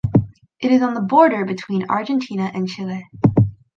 It is on the border between Argentina and Chile.